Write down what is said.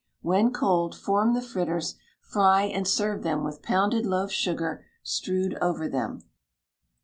When cold, form the fritters, fry, and serve them with pounded loaf sugar strewed over them.